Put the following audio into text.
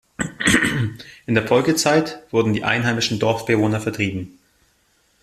In der Folgezeit wurden die einheimischen Dorfbewohner vertrieben.